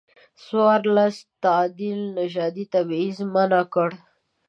څورلسم تعدیل نژادي تبعیض منع کړ.